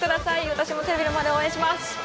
私もテレビの前で応援します。